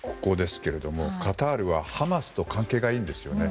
カタールはハマスと関係がいいんですよね。